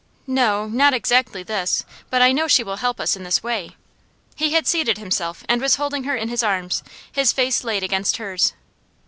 'No not exactly this. But I know she will help us in this way.' He had seated himself and was holding her in his arms, his face laid against hers.